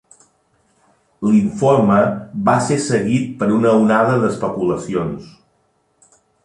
L'informe va ser seguit per una onada d'especulacions.